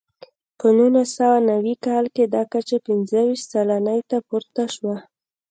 په نولس سوه نوي کال کې دا کچه پنځه ویشت سلنې ته پورته شوه.